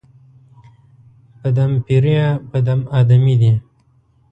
په دم پېریه، په دم آدمې دي